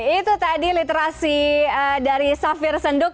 itu tadi literasi dari safir senduk